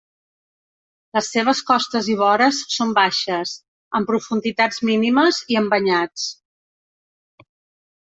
Les seves costes i vores són baixes, amb profunditats mínimes i amb banyats.